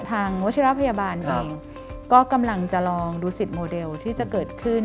วัชิระพยาบาลเองก็กำลังจะลองดูสิทธิโมเดลที่จะเกิดขึ้น